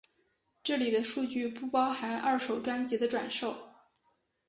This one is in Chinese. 这里的数据不包含二手专辑的转售。